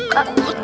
ke aku kota